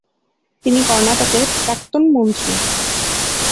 তিনি কর্ণাটকের প্রাক্তন মন্ত্রী।